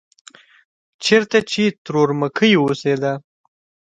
چېرته چې ترور مکۍ اوسېده.